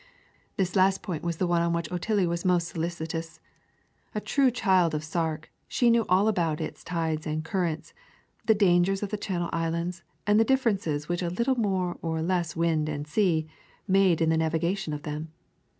This last point was the one on which Otillie was most solicitous. A true child of Sark, she knew all about its tides and currents, the dangers of the island channels, and the differences which a little more or less wind and sea made in the navigation of them.